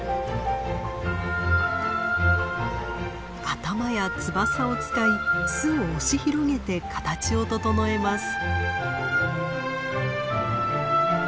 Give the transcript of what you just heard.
頭や翼を使い巣を押し広げて形を整えます。